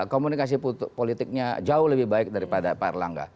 komunikasi politiknya jauh lebih baik daripada parlangga